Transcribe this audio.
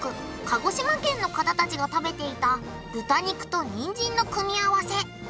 鹿児島県の方たちが食べていた豚肉とにんじんの組み合わせ